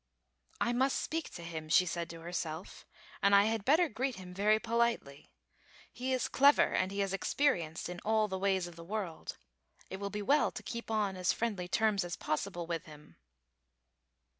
"I must speak to him," she said to her self, ''and I had better greet him very po litely. He is clever, and he is experienced in all the ways of the world. It will be well to keep on as friendly terms as possible with him."